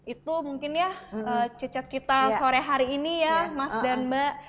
itu mungkin ya cicat kita sore hari ini ya mas dan mbak